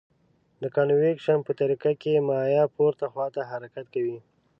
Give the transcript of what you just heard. د کانویکشن په طریقه کې مایع پورته خواته حرکت کوي.